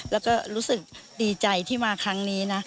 แล้วก็รู้สึกดีใจที่มาครั้งนี้นะ